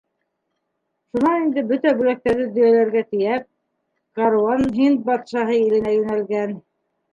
Шунан инде бөтә бүләктәрҙе дөйәләргә тейәп, каруан һинд батшаһы иленә йүнәлгән.